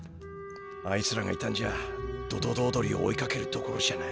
あいつらがいたんじゃドドドー鳥を追いかけるどころじゃない。